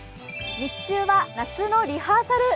日中は夏のリハーサル。